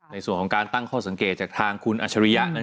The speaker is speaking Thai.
ในส่วนของการตั้งข้อสังเกตจากทางคุณอัชริยะ